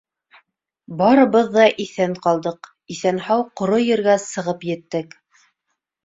Барыбыҙ ҙа иҫән ҡалдыҡ, иҫән-һау ҡоро ергә сығып еттек.